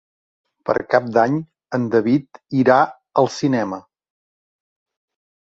Per Cap d'Any en David irà al cinema.